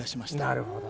なるほど。